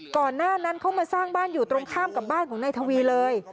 ก่อนหน้านั้นเขามาสร้างบ้านอยู่ตรงข้ามกับบ้านของนายทวีเลย